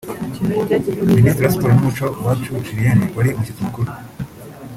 Minisitiri wa Siporo n’umuco Uwacu Julienne wari umushyitsi mukuru